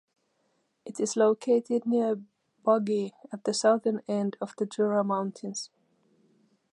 It is located near Bugey at the southern end of the Jura mountains.